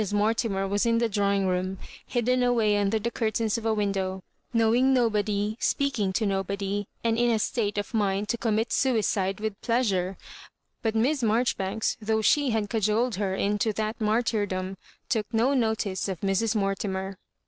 Mortimer was in the drawing room, hidden away under the curtains of a window, knowing nobody, speaking to nobody, and in a state of mind to commit suicide with pleasure ; but Miss Maijoribanks, though she had cajoled her into that martyrdom, took no notice of Mrs. Mortimer.